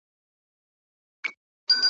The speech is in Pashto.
له هغو اوسنیو شعرونو سره ,